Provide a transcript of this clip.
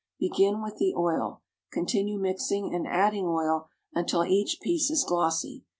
Begin with the oil. Continue mixing and adding oil, until each piece is glossy.